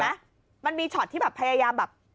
เห็นไหมมันมีช็อตที่พยายามแบบ